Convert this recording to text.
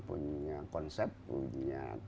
punya konsep punya